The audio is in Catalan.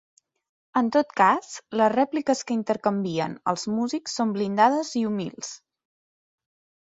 En tot cas, les rèpliques que intercanvien els músics són blindades i humils.